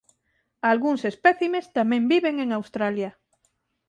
Algúns espécimes tamén viven en Australia.